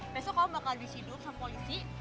besok kamu bakal disiduk sama polisi